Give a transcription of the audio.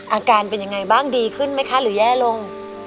อาการเป็นยังไงบ้างดีขึ้นไหมคะหรือแย่ลง